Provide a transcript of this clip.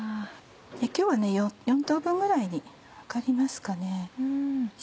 今日は４等分ぐらいに分かりますかね。